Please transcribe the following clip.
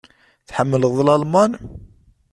Tḥemmleḍ Lalman?